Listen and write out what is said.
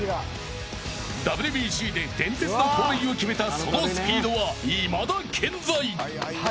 ＷＢＣで伝説の盗塁を決めたそのスピードはいまだ健在。